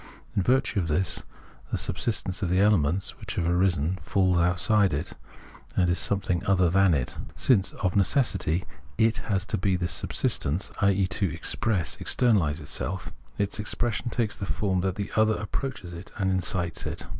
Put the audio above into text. In virtue of this, the subsistence of the elements which have arisen falls outside it, and is something other than it. Since of necessity it has to he this subsistence, i.e. to express, externaUse itself, its expression takes the form that the other approaches it and incites it.